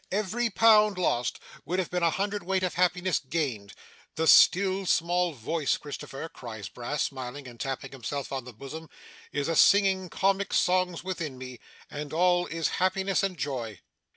Every pound lost, would have been a hundredweight of happiness gained. The still small voice, Christopher,' cries Brass, smiling, and tapping himself on the bosom, 'is a singing comic songs within me, and all is happiness and joy!